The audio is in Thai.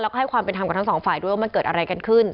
แล้วก็ให้ความเป็นธรรมกับทั้งสองฝ่ายด้วยว่ามันเกิดอะไรกันขึ้น